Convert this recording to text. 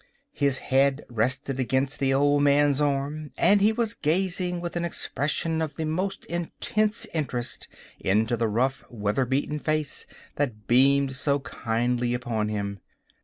His head rested against the old man's arm, and he was gazing with an expression of the most intense interest into the rough, weather beaten face, that beamed so kindly upon him.